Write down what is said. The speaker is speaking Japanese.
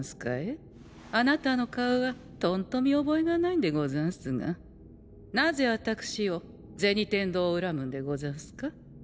あなたの顔はとんと見覚えがないんでござんすがなぜあたくしを銭天堂を恨むんでござんすか？